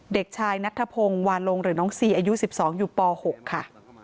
เด็กชายนัทธพงศ์วาลงหรือน้องซีอายุ๑๒อยู่ป๖ค่ะ